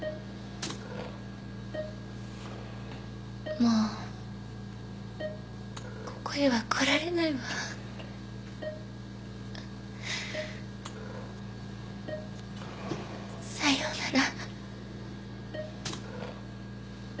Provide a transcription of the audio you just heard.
もうここへは来られないわさようなら